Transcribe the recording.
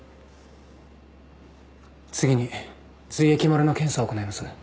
次に髄液漏れの検査を行います。